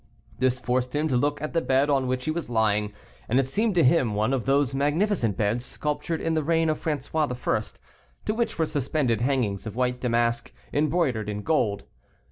This forced him to look at the bed on which he was lying, and it seemed to him one of those magnificent beds sculptured in the reign of Francis I., to which were suspended hangings of white damask, embroidered in gold.